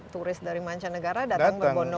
turis dari mancanegara datang berbono bono